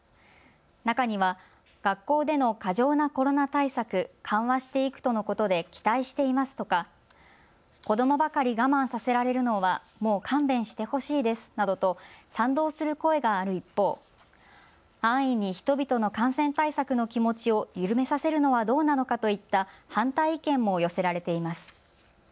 中には学校での過剰なコロナ対策、緩和していくとのことで期待していますとか子どもばかり我慢させられるのはもう勘弁してほしいですなどと賛同する声がある一方、安易に人々の感染対策の気持ちを緩めさせるのはどうなのかといった反対意見も寄せられています。